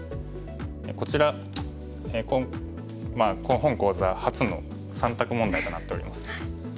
こちら本講座初の３択問題となっております。